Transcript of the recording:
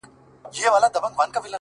• درته یادیږي بېله جنګه د خپل ښار خبري؟,